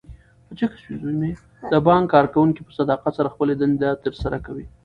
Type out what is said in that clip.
د بانک کارکوونکي په صداقت سره خپلې دندې ترسره کوي.